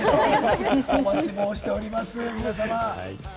お待ち申しております、皆さま。